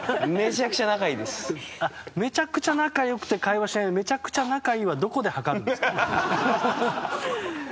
めちゃくちゃ仲良くて会話しないのにめちゃくちゃ仲いいはどこではかるんですか？